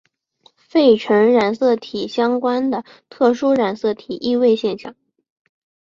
费城染色体相关的特殊染色体易位现象。